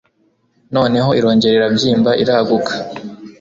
Noneho irongera irabyimba iraguka